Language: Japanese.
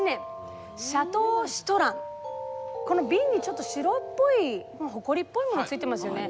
この瓶にちょっと白っぽいほこりっぽいものついてますよね。